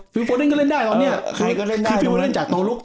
ฟิฟโฟเล่นก็เล่นได้แล้วเนี้ยใครก็เล่นได้ฟิฟโฟเล่นจากตัวลุก